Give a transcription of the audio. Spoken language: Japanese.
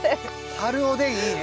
春おでんいいね。